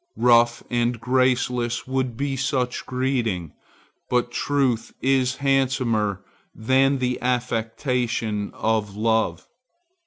Rough and graceless would be such greeting, but truth is handsomer than the affectation of love.